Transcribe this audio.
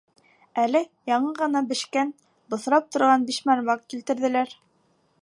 Әле яңы ғына бешкән, боҫрап торған бишбармаҡ килтерҙеләр.